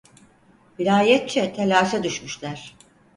Vilayetçe telaşa düşmüşler.